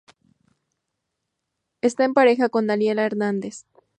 Está en pareja con Daniela Hernández.